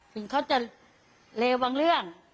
ถึงเขาจะเลวบางเรื่อง